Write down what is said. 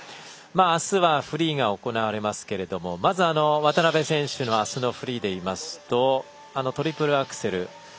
明日はフリーが行われますけれどもまず渡辺選手の明日のフリーで言いますとトリプルアクセル。